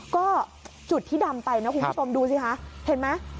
ก็จุดที่ดำไปนะคุณผู้ชมดูสิคะเห็นไหม